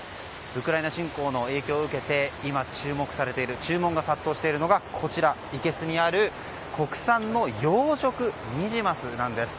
ウクライナ侵攻の影響を受けて今、注目されている注文が殺到しているのがこちらいけすにある国産の養殖ニジマスなんです。